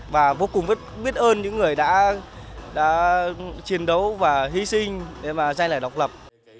và vô cùng biết ơn những người đã chiến đấu và hy sinh để mà giành lại độc lập